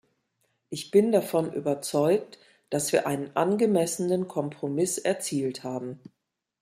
Ich bin davon überzeugt, dass wir einen angemessenen Kompromiss erzielt haben.